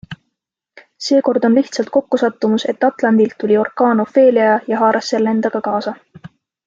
Seekord on lihtsalt kokkusattumus, et Atlandilt tuli orkaan Ophelia ja haaras selle endaga kaasa.